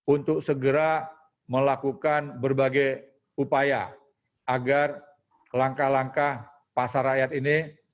untuk segera melakukan berbagai upaya agar langkah langkah pasar rakyat ini